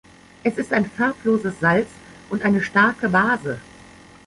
Es ist ein farbloses Salz und eine starke Base.